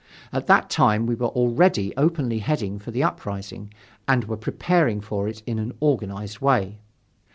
At that time we were already openly heading for the uprising, and were preparing for it in an organized way.